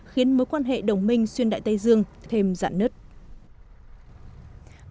khiến mối quan hệ đồng minh xuyên đại tây dương thêm giãn nứt